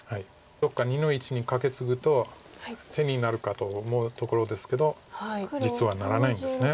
どっか２の一にカケツグと手になるかと思うところですけど実はならないんです。